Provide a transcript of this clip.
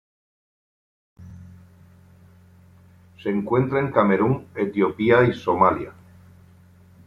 Se encuentra en Camerún Etiopía y Somalia.